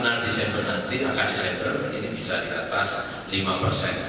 pada angka final desember nanti angka desember ini bisa diatas lima persen